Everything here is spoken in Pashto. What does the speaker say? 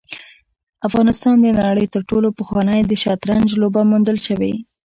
افغانستان د نړۍ تر ټولو پخوانی د شطرنج لوبه موندل شوې